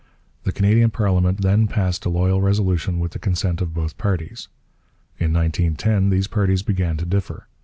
The Canadian parliament then passed a loyal resolution with the consent of both parties. In 1910 these parties began to differ.